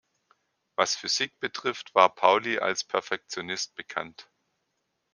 Was Physik betrifft, war Pauli als Perfektionist bekannt.